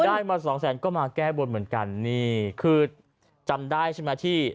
ได้มาสองแสนก็มาแก้บนเหมือนกันนี่คือจำได้ใช่ไหมที่